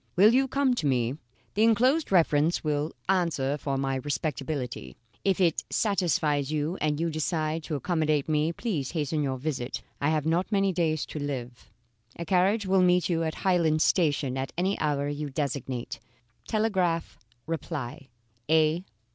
Will you come to me? The enclosed reference will answer for my respectability. If it satisfies you and you decide to accommodate me, please hasten your visit; I have not many days to live. A carriage will meet you at Highland Station at any hour you designate. Telegraph reply. A.